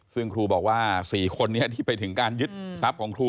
ซึ่งครูบอกว่า๔คนนี้ที่ไปถึงการยึดทรัพย์ของครู